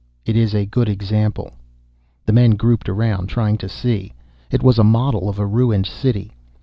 "It is a good example." The men grouped around, trying to see. It was a model of a ruined city.